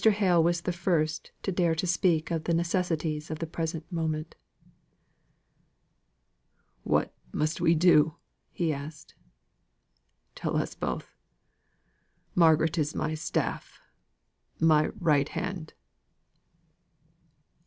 Hale was the first to dare to speak of the necessities of the present moment. "What must we do?" asked he. "Tell us both. Margaret is my staff my right hand."